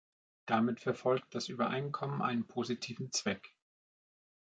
Damit verfolgt das Übereinkommen einen positiven Zweck.